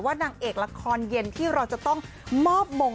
นางเอกละครเย็นที่เราจะต้องมอบมง